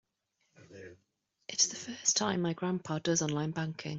It's the first time my grandpa does online banking.